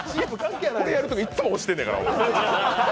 これやるときいっつも押してんやから。